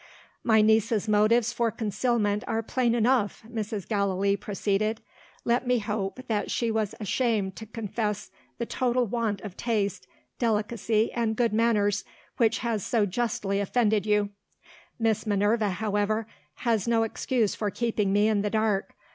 "My niece's motives for concealment are plain enough," Mrs. Gallilee proceeded. "Let me hope that she was ashamed to confess the total want of taste, delicacy, and good manners which has so justly offended you. Miss Minerva, however, has no excuse for keeping me in the dark.